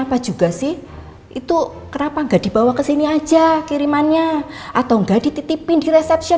mas juga sih itu kenapa nggak dibawa ke sini aja kirimannya atau nggak dititipin di resepsi